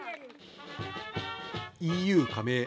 ＥＵ加盟